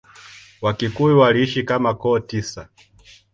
Wakikuyu waliishi kama koo tisa.